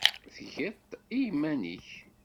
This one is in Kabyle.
Tgiḍ-t i yiman-nnek?